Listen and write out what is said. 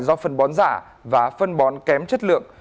do phân bón giả và phân bón kém chất lượng